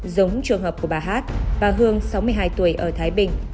giống trường hợp của bà hát bà hương sáu mươi hai tuổi ở thái bình